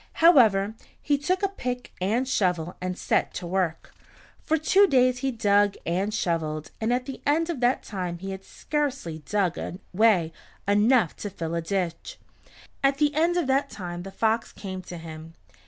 However, he took a pick and shovel and set to work. For two days he dug and shoveled, and at the end of that time he had scarcely dug away enough to fill a ditch. At the end of that time the fox came to him.